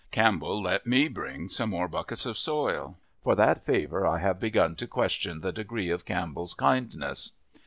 Campbell let me bring some more buckets of soil. For that favor I have begun to question the degree of Campbell's kindness.